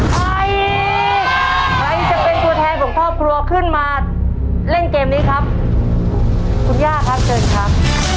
ใครใครจะเป็นตัวแทนของครอบครัวขึ้นมาเล่นเกมนี้ครับคุณย่าครับเชิญครับ